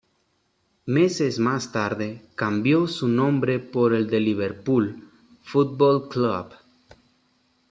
Meses más tarde, cambió su nombre por el de Liverpool Football Club.